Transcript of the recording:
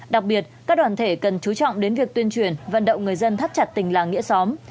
đặc biệt các đoàn thể cần chú trọng đến việc tuyên truyền vận động người dân thắt chặt tình làng nghĩa xóm